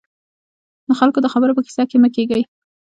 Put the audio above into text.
د خلکو د خبرو په کيسه کې مه کېږئ.